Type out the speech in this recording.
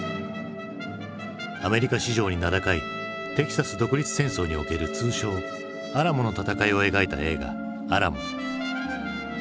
アメリカ史上に名高いテキサス独立戦争における通称アラモの戦いを描いた映画「アラモ」。